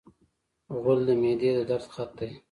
غول د معدې د درد خط دی.